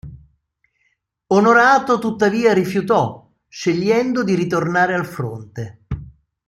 Onorato tuttavia rifiutò, scegliendo di ritornare al fronte.